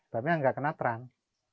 karena tidak kena trans